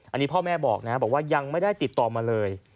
อันนี้พ่อแม่บอกนะบอกว่ายังไม่ได้ติดต่อมาเลย